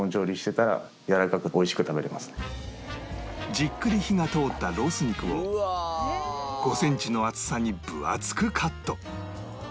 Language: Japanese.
じっくり火が通ったロース肉を５センチの厚さに分厚くカット